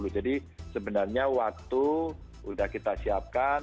jadi sebenarnya waktu sudah kita siapkan